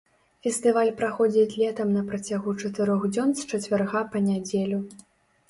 Фестываль праходзіць летам на працягу чатырох дзён з чацвярга па нядзелю.